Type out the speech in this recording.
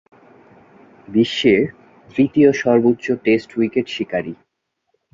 বিশ্বের তৃতীয় সর্বোচ্চ টেস্ট উইকেট শিকারী।